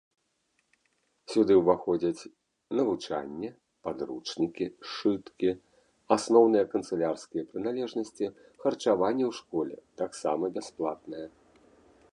Сюды ўваходзяць навучанне, падручнікі, сшыткі, асноўныя канцылярскія прыналежнасці, харчаванне ў школе таксама бясплатнае.